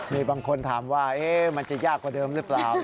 มีบางคนถามว่ามันจะยากกว่าเดิมหรือเปล่า